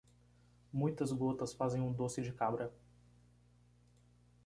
Muitas gotas fazem um doce de cabra.